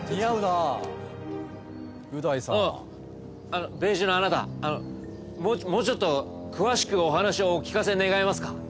ああのベージュのあなたもうちょっと詳しくお話をお聞かせ願えますか？